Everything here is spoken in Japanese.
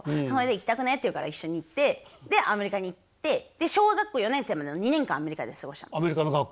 それで「行きたくねえ？」って言うから一緒に行ってでアメリカに行って小学校４年生までの２年間アメリカで過ごしたの。